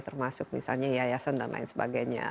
termasuk misalnya yayasan dan lain sebagainya